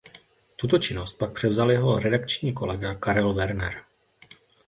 Tuto činnost pak převzal jeho redakční kolega Karel Werner.